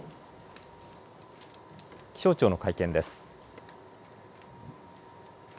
気象庁の会見です。